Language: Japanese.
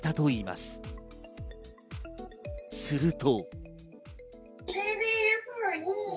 すると。